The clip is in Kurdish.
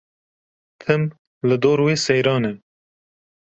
Tim li dor wê seyran e.